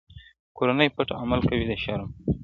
کورنۍ پټ عمل کوي د شرم,